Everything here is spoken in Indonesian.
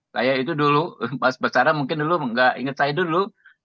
saya itu dulu mas basara mungkin dulu enggak ingat saya dulu